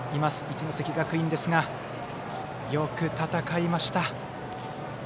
一関学院ですが、よく戦いました。